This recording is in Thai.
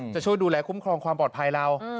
จะช่วยดูแลคุ้มครองความปลอดภัยเรา